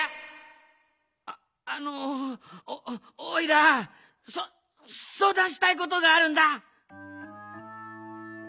ああのおいらそそうだんしたいことがあるんだ！